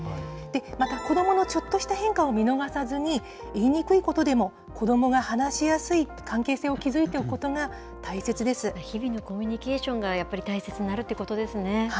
また、子どものちょっとした変化を見逃さずに、言いにくいことでも子どもが話しやすい関係性を築いておくことが日々のコミュニケーションがやっぱり大切になるということですね。